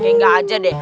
kayak nggak aja deh